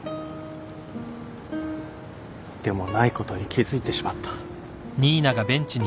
でもないことに気付いてしまった。